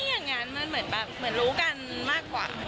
ไม่อย่างงั้นเหมือนแบบรู้กันมากแบบ